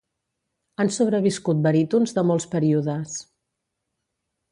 Han sobreviscut barítons de molts períodes.